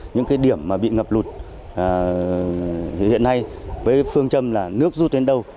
những cái điểm mà bị ngập lụt hiện nay với phương châm là nước rút đến đâu